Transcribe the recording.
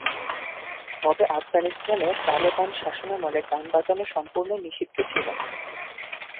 তবে আফগানিস্তানে তালেবান শাসনামলে গান বাজানো সম্পূর্ণ নিষিদ্ধ ছিল।